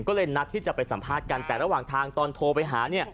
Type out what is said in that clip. ก็เลยนัดที่จะไปสัมภาษณ์กันแต่ระหว่างทางตอนโทรไปหาเนี่ย